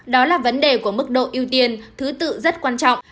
đó là vấn đề của mức độ ưu tiên thứ tự rất quan trọng